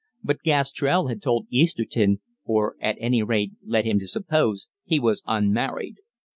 But Gastrell had told Easterton, or at any rate led him to suppose, he was unmarried.